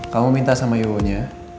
kamu minta sama yowonya